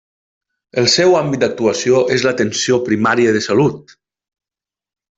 El seu àmbit d'actuació és l'atenció primària de salut.